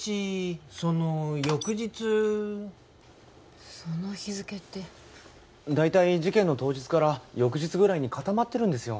その翌日その日付って大体事件の当日から翌日ぐらいに固まってるんですよ